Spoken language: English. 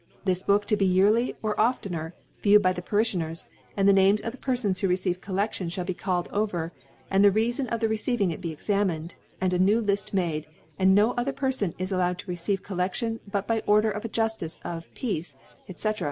This ' Book to be yearly, or oftener, viewed by * the Pariftiioners, and the Names of the * Perfons who receive CoUcdtion Ihall be * called over, and the Reafon of the re < ceiving it examine^], and a new Lift * made ; and no other Perfon is allowed to * receive Colleftion but by Order of a Juf * ticc of the Peace, 6?^